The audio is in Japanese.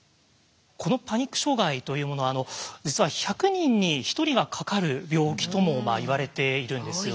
このパニック障害というものは実は１００人に１人がかかる病気ともいわれているんですよね。